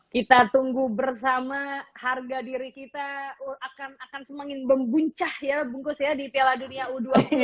kita tunggu bersama harga diri kita akan semakin membuncah ya bungkus ya di piala dunia u dua puluh